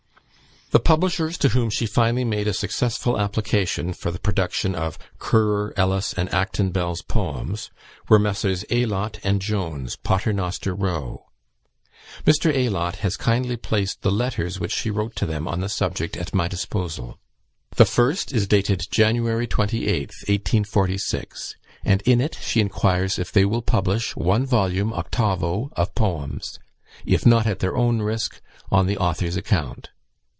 The publishers to whom she finally made a successful application for the production of "Currer, Ellis, and Acton Bell's poems," were Messrs. Aylott and Jones, Paternoster Row. Mr. Aylott has kindly placed the letters which she wrote to them on the subject at my disposal. The first is dated January 28th, 1846, and in it she inquires if they will publish one volume octavo of poems; if not at their own risk, on the author's account.